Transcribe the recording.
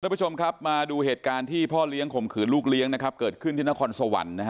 ท่านพระชมครับมาดูเหตุการณ์ที่พ่อเลี้ยงข่มขืนลูกเลี้ยงเกิดขึ้นที่นครสวรรค์